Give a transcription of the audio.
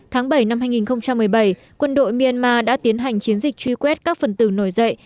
tháng bảy năm hai nghìn một mươi bảy quân đội myanmar đã tiến hành chiến dịch truy quét các phần tử nổi dậy